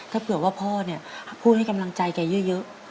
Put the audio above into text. ถ้าเผื่อว่าพ่อเนี่ยพูดให้กำลังใจแกเยอะ